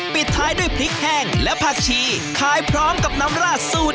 ปิดท้ายด้วยพริกแห้งและผักชีขายพร้อมกับน้ำราดสูตร